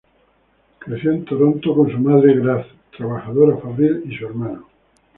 Creció en Toronto con su madre Grace, trabajadora fabril, y su hermano.